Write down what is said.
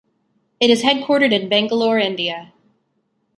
It is headquartered in Bangalore, India.